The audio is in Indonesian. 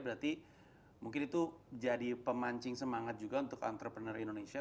berarti mungkin itu jadi pemancing semangat juga untuk entrepreneur indonesia